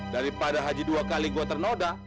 daripada haji dua kali go ternoda